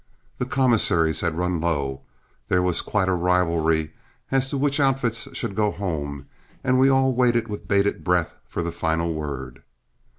The commissaries had run low, there was a quiet rivalry as to which outfits should go home, and we all waited with bated breath for the final word.